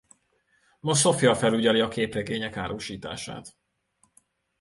Most Sophia felügyeli a képregények árusítását.